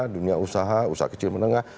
dunia usaha usaha kecil menengah